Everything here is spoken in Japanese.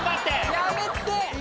やめて！